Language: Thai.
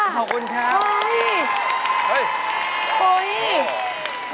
ขอบคุณครับเฮ่ยเฮ่ยเฮ่ย